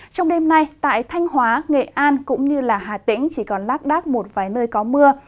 trong đêm nay tại thanh hóa nghệ an cũng như hà tĩnh chỉ còn lác đác một vài nơi có mưa